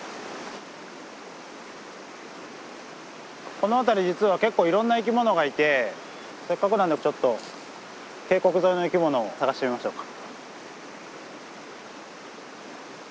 この辺り実は結構いろんな生き物がいてせっかくなんでちょっと渓谷沿いの生き物を探してみましょうか？